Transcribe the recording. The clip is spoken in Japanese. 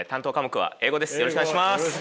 よろしくお願いします。